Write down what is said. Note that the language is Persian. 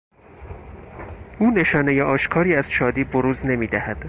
او نشانهی آشکاری از شادی بروز نمیدهد.